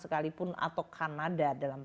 sekalipun atau kanada dalam